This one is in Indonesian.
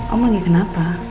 om om lagi kenapa